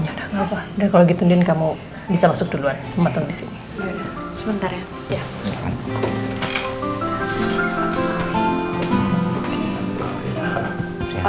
nggak apa apa udah kalau gitu din kamu bisa masuk duluan memotong disini sebentar ya ya silakan